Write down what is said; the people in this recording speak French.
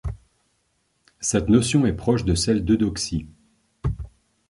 Cette notion est proche de celle d'Eudoxie.